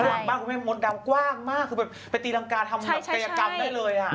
หลังบ้านมดดำกว้างมากไปตีดำกาทำกายกรรมได้เลย